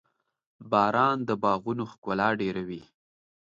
• باران د باغونو ښکلا ډېروي.